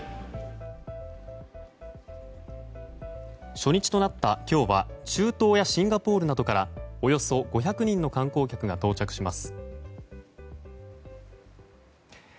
初日となった今日は中東やシンガポールなどからおよそ５００人の観光客が到着します。